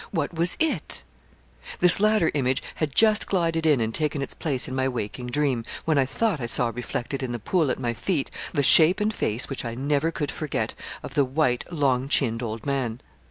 what was it? This latter image had just glided in and taken its place in my waking dream, when I thought I saw reflected in the pool at my feet, the shape and face which I never could forget, of the white, long chinned old man.